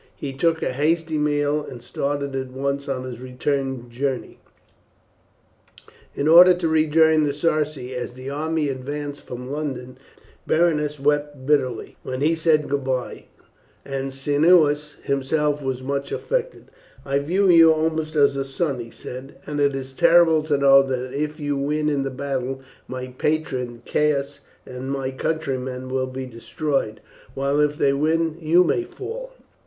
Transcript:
He took a hasty meal, and started at once on his return journey in order to rejoin the Sarci as the army advanced from London. Berenice wept bitterly when he said goodbye, and Cneius himself was much affected. "I view you almost as a son," he said; "and it is terrible to know that if you win in the battle, my patron Caius and my countrymen will be destroyed, while if they win, you may fall."